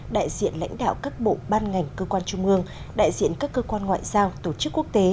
đại diện lãnh đạo các bộ ban ngành cơ quan trung ương đại diện các cơ quan ngoại giao tổ chức quốc tế